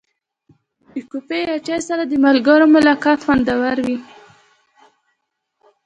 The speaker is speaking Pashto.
د کافي یا چای سره د ملګرو ملاقات خوندور وي.